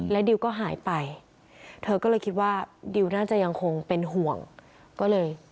ดิวก็หายไปเธอก็เลยคิดว่าดิวน่าจะยังคงเป็นห่วงก็เลย